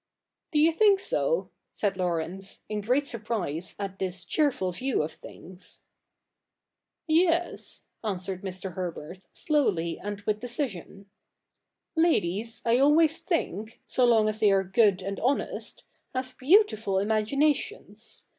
' Do you think so ?' said Laurence, in great surprise at this cheerful view of things. 'Yes," answered Mr. Herbert, slowly and with decision. ' Ladies I always think, so long as they are good and honest, have beautiful imaginations.